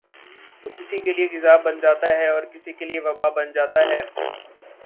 تو کسی کیلئے غذا بن جاتا ہے اور کسی کیلئے وباء بن جاتا ہے ۔